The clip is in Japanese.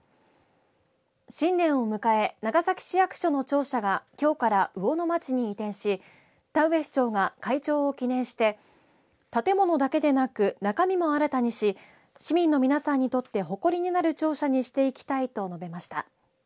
新年を迎え長崎市役所の庁舎がきょうから魚の町に移転し田上市長が開庁を記念して建物だけでなく中身も新たにし市民の皆さんにとって誇りになる庁舎にしていきたいと述べました。